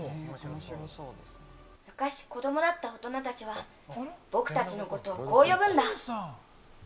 昔、子どもだった大人たちは僕たちのことをこう呼ぶんだ。